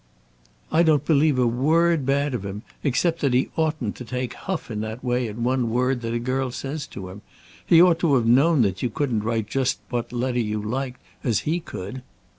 "I don't believe a word bad of him, except that he oughtn't to take huff in that way at one word that a girl says to him. He ought to have known that you couldn't write just what letter you liked, as he could."